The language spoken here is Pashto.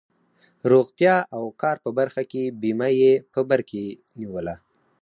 روغتیا او کار په برخه کې بیمه یې په بر کې نیوله.